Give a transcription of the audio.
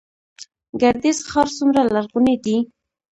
ګردیز ښار څومره لرغونی دی؟